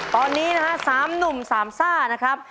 ตอนนี้๓หนุ่ม๓ซ่าครับ